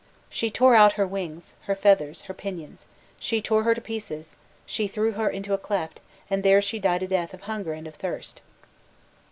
She tore out her wings, her feathers, her pinions; she tore her to pieces, she threw her into a cleft, and there she died a death of hunger and of thirst."